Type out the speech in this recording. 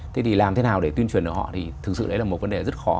thế thì làm thế nào để tuyên truyền được họ thì thực sự đấy là một vấn đề rất khó